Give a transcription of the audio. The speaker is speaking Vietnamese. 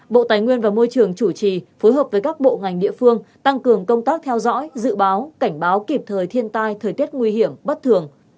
bộ tài nguyên và môi trường chủ trì phối hợp với các bộ ngành địa phương tăng cường công tác theo dõi dự báo cảnh báo kịp thời thiên tai thời tiết nguy hiểm bất thường